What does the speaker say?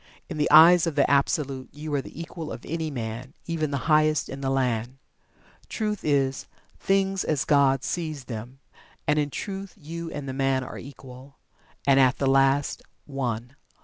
In the eyes of the Absolute you are the equal of any man, even the highest in the land. Truth is "Things as God sees them" and in Truth you and the man are equal, and, at the last, One.